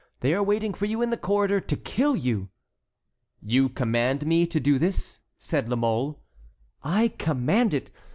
They are waiting for you in the corridor to kill you." "You command me to do this?" said La Mole. "I command it.